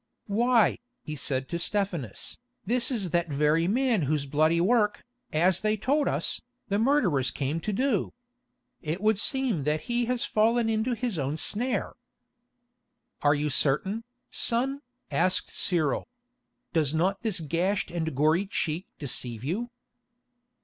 "Why," he said to Stephanus, "this is that very man whose bloody work, as they told us, the murderers came to do. It would seem that he has fallen into his own snare." "Are you certain, son?" asked Cyril. "Does not this gashed and gory cheek deceive you?"